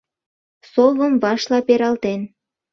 Совым вашла пералтен